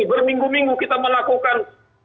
berminggu minggu kita melakukan